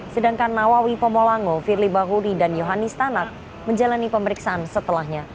sedangkan nawawi pomolango firly bahuri dan yohanis tanak menjalani pemeriksaan setelahnya